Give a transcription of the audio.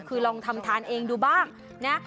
คือลองทำทานเองดูบ้างนะ